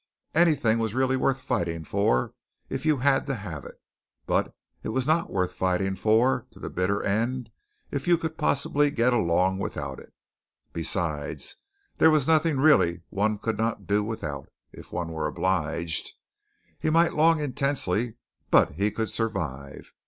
Anything was really worth fighting for if you had to have it, but it was not worth fighting for to the bitter end, if you could possibly get along without it. Besides, there was nothing really one could not do without, if one were obliged. He might long intensely, but he could survive.